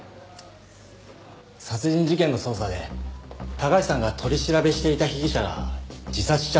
殺人事件の捜査で高橋さんが取り調べしていた被疑者が自殺しちゃったんです。